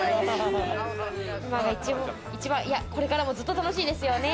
今が一番、いや、これからもずっと楽しいですよね。